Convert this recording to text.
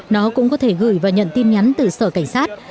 nó cũng có thể gửi và nhận tin nhắn từ sở cảnh sát